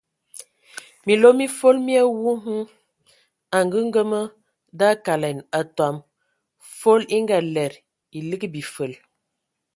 Minlo mi fol mi awu hm angəngəmə da akalɛn atɔm, fol e ngalɛdə e ligi bifəl.